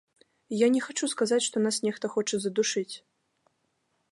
Я не хачу сказаць, што нас нехта хоча задушыць.